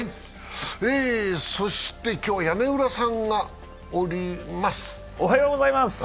そして今日屋根裏さんがおります。